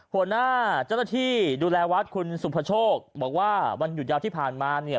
หัวหน้าเจ้าหน้าที่ดูแลวัดคุณสุภโชคบอกว่าวันหยุดยาวที่ผ่านมาเนี่ย